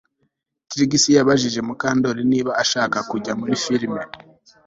Trix yabajije Mukandoli niba ashaka kujya muri firime